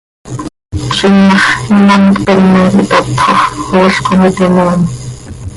Tcozim ma x, imám cpene quih tatxo x, ool com iti moom.